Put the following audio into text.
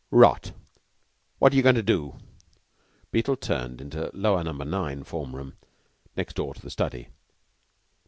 "Rot! What are you goin' to do?" Beetle turned into Lower Number Nine form room, next door to the study.